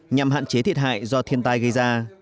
nhằm hạn chế thiệt hại do thiên tai gây ra